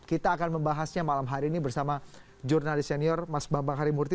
kita akan membahasnya malam hari ini bersama jurnalis senior mas bambang harimurti